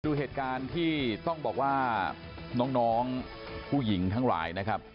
ดูเหตุการณ์ที่ต้องบอกว่าน้องผู้หญิงทั้งหลายนะครับ